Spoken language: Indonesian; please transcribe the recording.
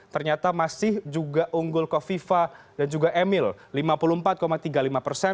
ternyata masih juga unggul kofifa dan juga emil lima puluh empat tiga puluh lima persen